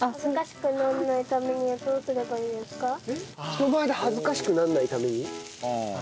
人前で恥ずかしくならないために？